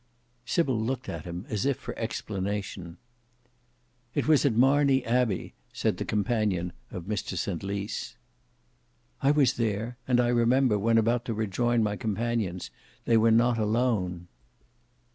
Sybil looked at him as if for explanation. "It was at Marney Abbey," said the companion of Mr St Lys. "I was there; and I remember, when about to rejoin my companions, they were not alone."